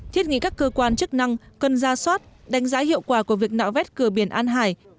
thiết nghĩ các cơ quan chức năng cần ra soát đánh giá hiệu quả của việc nạo vét cửa biển an hải